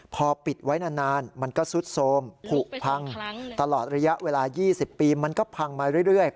พอปิดไว้นานมันก็ซุดโทรมผูกพังตลอดระยะเวลา๒๐ปีมันก็พังมาเรื่อย